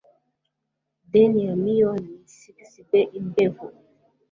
DEndymion sigisbé imbeho